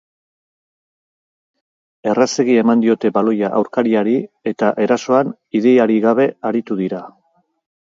Errazegi eman diote baloia aurkariari eta erasoan ideiarik gabe aritu dira.